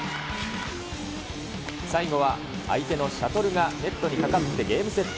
最後は相手のシャトルがネットにかかってゲームセット。